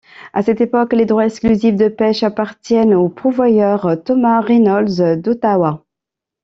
À cette époque, les droits exclusifs de pêche appartiennent au pourvoyeur Thomas Reynolds d'Ottawa.